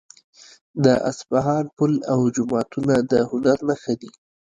د اصفهان پل او جوماتونه د هنر نښه دي.